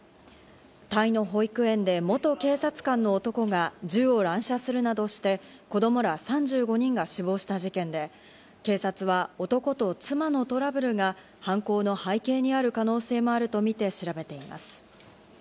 タイの保育園で元警察官の男が銃を乱射するなどして、子供ら３５人が死亡した事件で、警察は男と妻のトラブルが犯行の背景にある可能性もあるとみて調べています。